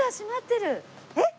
えっ！？